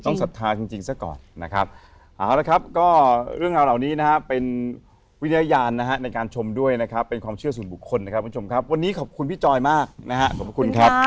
ศรัทธาจริงซะก่อนนะครับเอาละครับก็เรื่องราวเหล่านี้นะฮะเป็นวิญญาณนะฮะในการชมด้วยนะครับเป็นความเชื่อส่วนบุคคลนะครับคุณผู้ชมครับวันนี้ขอบคุณพี่จอยมากนะฮะขอบคุณครับ